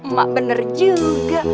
mak bener juga